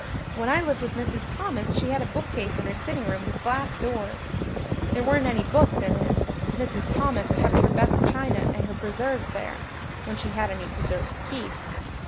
When I lived with Mrs. Thomas she had a bookcase in her sitting room with glass doors. There weren't any books in it; Mrs. Thomas kept her best china and her preserves there when she had any preserves to keep.